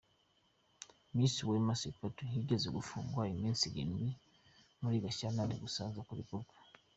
Miss Wema Septu yigeze gufungwa iminsi irindwi muri Gashyantare gusa aza kurekurwa.